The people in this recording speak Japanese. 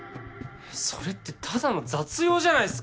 それってただの雑用じゃないっすか！